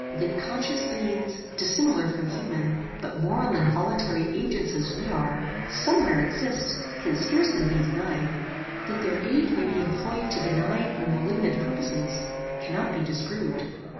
That conscious beings, dissimilar from human, but moral and voluntary agents as we are, some where exist, can scarcely be denied. That their aid may be employed to benign or malignant purposes, cannot be disproved.